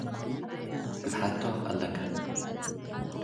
ክትሓቶ ኣለካ።